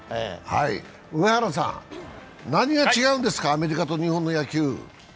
上原さん、何が違うんですか、アメリカと日本の野球。